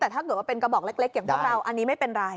แต่ถ้าเกิดว่าเป็นกระบอกเล็กอย่างพวกเราอันนี้ไม่เป็นไร